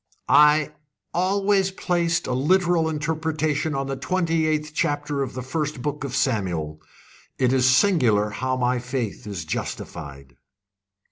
"I always placed a literal interpretation on the twenty eighth chapter of the first book of Samuel. It is singular how my faith is justified!"